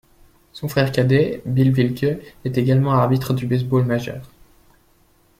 Son frère cadet Bill Wilke est également arbitre du baseball majeur.